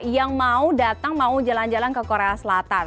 yang mau datang mau jalan jalan ke korea selatan